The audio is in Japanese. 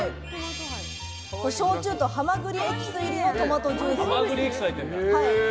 焼酎とハマグリエキス入りのトマトジュースです。